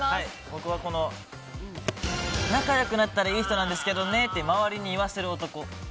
僕は、仲良くなったらいい人なんですけどねって周りに言わせる男。